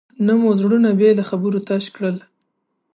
نه مو زړونه بې له خبرو تش کړل.